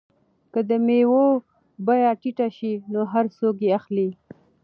که د مېوو بیه ټیټه شي نو هر څوک یې اخلي.